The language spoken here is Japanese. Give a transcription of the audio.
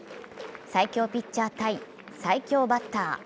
最強ピッチャー対最強バッター。